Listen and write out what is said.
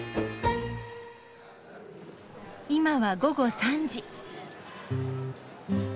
今は午後３時。